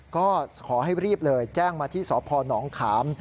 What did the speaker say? ก็ขอให้รีบเลยแจ้งมาที่สพนขาม